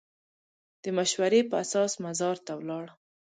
د مشورې په اساس مزار ته ولاړ.